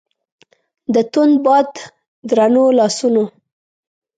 د توند باد درنو لاسونو